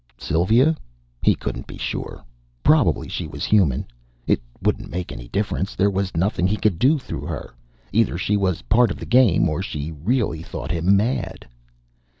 Sylvia? He couldn't be sure. Probably she was human. It wouldn't make any difference. There was nothing he could do through her. Either she was part of the game or she really thought him mad.